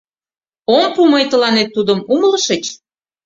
Ом пу мый тыланет тудым, умылышыч?!